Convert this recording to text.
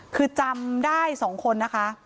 คือจำได้๒คนนะคะ